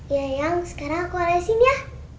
ya yang sekarang aku alesin ya